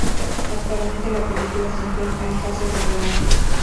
Actualmente la película se encuentra en fase de rodaje.